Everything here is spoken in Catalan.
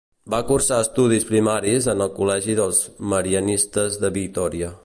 Va cursar estudis primaris en el Col·legi dels Marianistes de Vitòria.